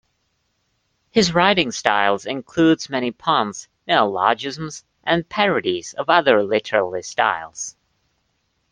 His writing style includes many puns, neologisms and parodies of other literary styles.